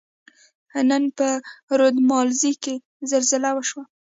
نن په رود ملازۍ کښي زلزله وشوه.